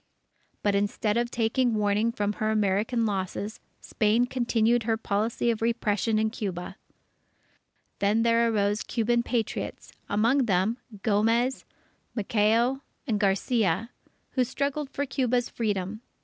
But instead of taking warning from her American losses, Spain continued her policy of repression in Cuba. Then there arose Cuban Patriots, among them, Gomez, Maceo, and Garcia, who struggled for Cuba's Freedom.